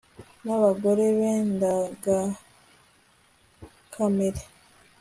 Nabagore be ndengakamere